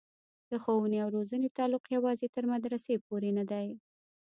د ښوونې او روزنې تعلق یوازې تر مدرسې پورې نه دی.